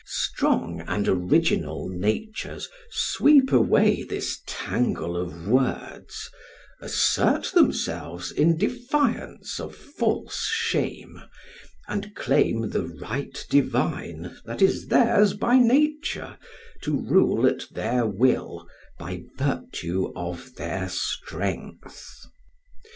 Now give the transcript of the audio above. Strong and original natures sweep away this tangle of words, assert themselves in defiance of false shame, and claim the right divine that is theirs by nature, to rule at their will by virtue of their strength.